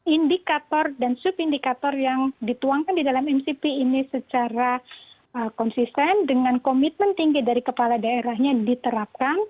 indikator dan subindikator yang dituangkan di dalam mcp ini secara konsisten dengan komitmen tinggi dari kepala daerahnya diterapkan